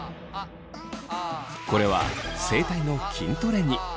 これは声帯の筋トレに。